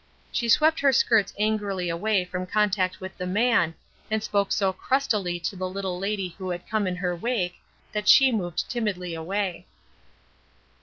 She swept her skirts angrily away from contact with the man, and spoke so crustily to the little lady who had come in her wake that she moved timidly away.